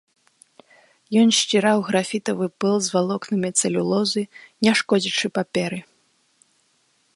Ён сціраў графітавы пыл з валокнамі цэлюлозы не шкодзячы паперы.